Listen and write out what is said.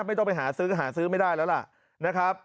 ไม่ต้องไปหาซื้อหาซื้อไม่ได้แล้วล่ะนะครับ